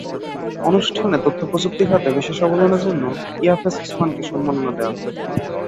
অনুষ্ঠানে তথ্যপ্রযুক্তি খাতে বিশেষ অবদানের জন্য ইয়াফেস ওসমানকে সম্মাননা দেওয়া হয়।